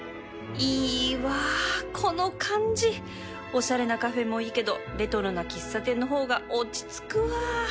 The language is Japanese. いいわこの感じおしゃれなカフェもいいけどレトロな喫茶店の方が落ち着くわ